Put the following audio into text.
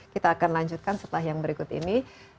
kita akan lanjutkan setelah yang berikut ini